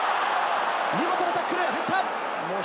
見事なタックルが入った。